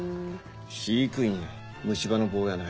飼育員や虫歯の棒やない。